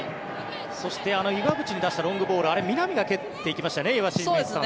そして岩渕に出したロングボールあれ、南が蹴っていきましたよね。